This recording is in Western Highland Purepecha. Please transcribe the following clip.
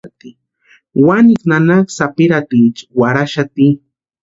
Wanikwa nanaka sapirhaticha warhaxati.